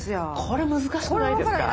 これ難しくないですか？